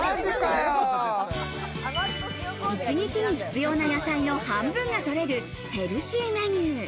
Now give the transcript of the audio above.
一日に必要な野菜の半分が取れるヘルシーメニュー。